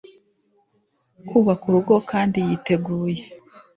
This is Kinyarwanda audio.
kubaka urugo kandi yiteguye